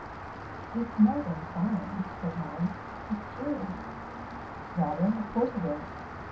"It's more than fine," said Molly. "It's true." "Rather, of course it is.